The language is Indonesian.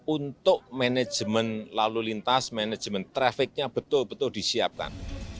untuk manajemen lalu lintas manajemen trafficnya betul betul disiapkan